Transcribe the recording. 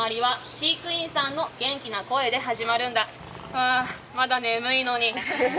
ああ、まだ眠いのに。